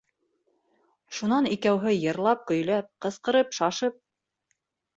Шунан икәүһе йырлап-көйләп, ҡысҡырып-шашып: